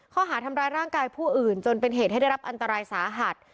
ข้อหาทำร้ายร่างกายผู้อื่นจนเป็นเหตุให้ได้รับอันตรายสาหัส